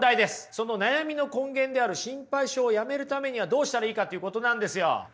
その悩みの根源である心配性をやめるためにはどうしたらいいかということなんですよ。